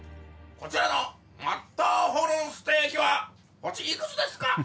こちらのマッターホルンステーキは星いくつですか？